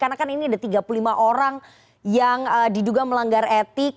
karena kan ini ada tiga puluh lima orang yang diduga melanggar etik